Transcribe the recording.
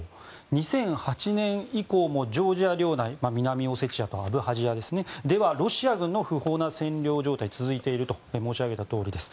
２００８年以降もジョージア領内南オセチアとアブハジアではロシア軍の不法な占領状態が続いていると申し上げたとおりです。